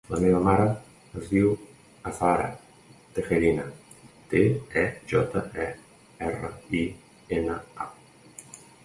La meva mare es diu Azahara Tejerina: te, e, jota, e, erra, i, ena, a.